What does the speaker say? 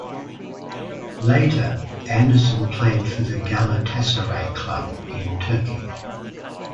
Later, Anderson played for the Galatasaray club in Turkey.